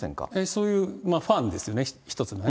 そういうファンですよね、一つのね。